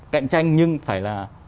cạnh tranh nhưng phải là